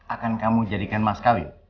akan kamu jadikan mas kawin